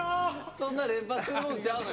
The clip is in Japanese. そんな連発するもんちゃうのよ。